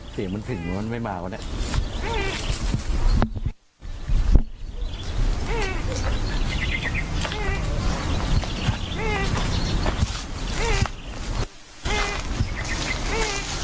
เสียงมันถึงมันไม่มาวะเนี่ย